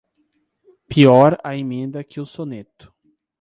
Pior a emenda que o soneto.